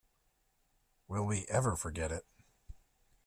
Will we ever forget it.